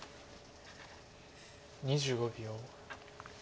２５秒。